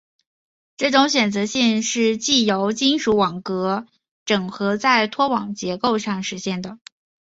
这种选择性是藉由金属网格整合在拖网结构上实现的。